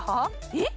えっ？